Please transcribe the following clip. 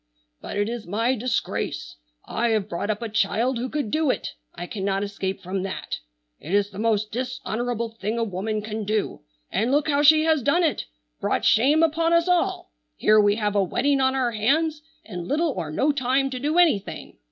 "But it is my disgrace. I have brought up a child who could do it. I cannot escape from that. It is the most dishonorable thing a woman can do. And look how she has done it, brought shame upon us all! Here we have a wedding on our hands, and little or no time to do anything!